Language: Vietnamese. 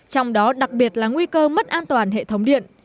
trong đó đặc biệt là nguy cơ mất an toàn hệ thống điện